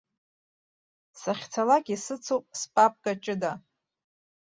Сахьцалак исыцуп спапка ҷыда.